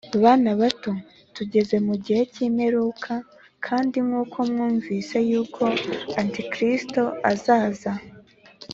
Bana bato, tugeze mu gihe cy’imperuka kandi nk’uko mwumvise yuko Antikristo azaza